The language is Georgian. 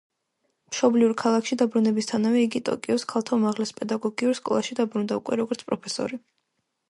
მშობლიურ ქალაქში დაბრუნებისთანავე, იგი ტოკიოს ქალთა უმაღლეს პედაგოგიურ სკოლაში დაბრუნდა, უკვე როგორც პროფესორი.